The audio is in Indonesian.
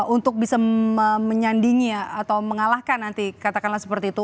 untuk bisa menyandingnya atau mengalahkan nanti katakanlah seperti itu